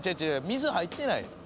水入ってない。